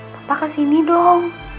papa kesini dong